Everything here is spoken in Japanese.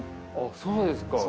そうですか。